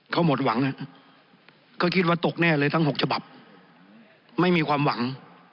เขาหมดหวังเขาคิดว่าตกแน่เลยทั้ง๖ฉบับไม่มีความหวัง